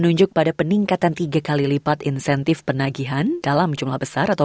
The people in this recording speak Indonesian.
untuk merasa seperti apa yang anda lakukan